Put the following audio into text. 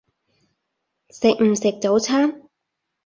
食唔食早餐？